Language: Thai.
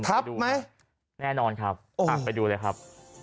พับไหมแน่นอนครับอ้าวไปดูเลยครับ